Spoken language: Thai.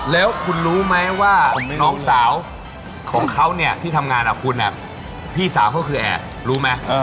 แล้วคุณรู้มั้ยว่าน้องสาวของเขาเนี่ยที่ทำงานอ่ะคุณอ่ะพี่สาวเขาก็คือแอร์รู้มั้ย